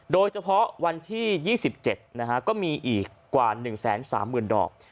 โดยเฉพาะวันที่๒๗ก็มีอีกกว่า๑๓๐๐๐ดอก